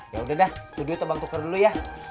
ya udah dah itu dia tuh bang tuker dulu ya